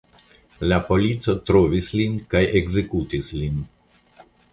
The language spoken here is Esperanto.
La polico trovis lin kaj ekzekutis lin.